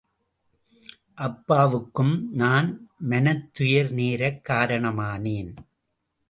அப்பாவுக்கும் நான் மனத்துயர் நேரக் காரணமானேன்.